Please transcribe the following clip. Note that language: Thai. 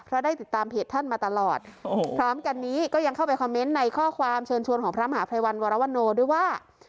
เพราะได้ติดตามเพจท่านมาตลอดพร้อมกันนี้ก็ยังเข้าไปคอมเมนต์ในข้อความเชิญชวนของพระมหาภัยวันวรวโนด้วยว่า